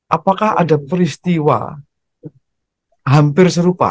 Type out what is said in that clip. apakah ada peristiwa hampir serupa